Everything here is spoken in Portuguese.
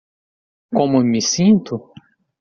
Como me sinto?